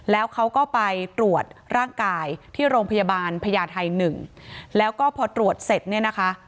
แล้วเขาก็ไปตรวจร่างกายที่โรงพยาบาลพญาไทยหนึ่งแล้วก็พอตรวจเสร็จเนี่ยนะคะ